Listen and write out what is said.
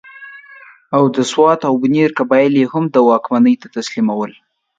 او د سوات او بنیر قبایل یې هم واکمنۍ ته تسلیم ول.